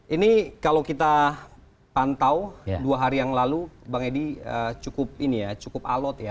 ini kalau kita pantau dua hari yang lalu bang edi cukup alot ya